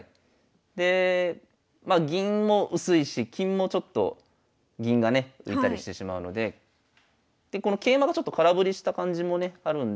でまあ銀も薄いし金もちょっと銀がね浮いたりしてしまうのででこの桂馬がちょっと空振りした感じもねあるんで。